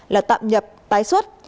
là tạm nhập tái xuất